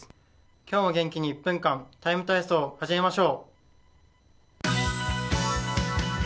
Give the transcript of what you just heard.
今日も元気に１分間、「ＴＩＭＥ，体操」を始めましょう。